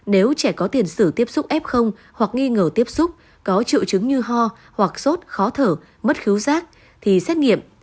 nếu trẻ có tiền xử tiếp xúc f hoặc nghi ngờ tiếp xúc có trự trứng như ho hoặc sốt khó thở mất khứu rác thì xét nghiệm